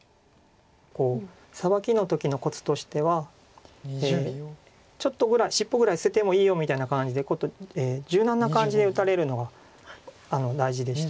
サバキの時のコツとしてはちょっとぐらい尻尾ぐらい捨ててもいいよみたいな感じで柔軟な感じで打たれるのが大事でして。